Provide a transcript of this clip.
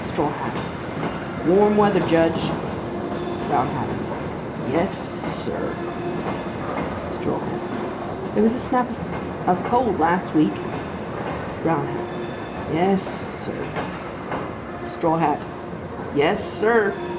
STRAW HAT. Warm weather, Judge. BROWN HAT. Yes, sir. STRAW HAT. There was a snap of cold, last week. BROWN HAT. Yes, sir. STRAW HAT. Yes, sir.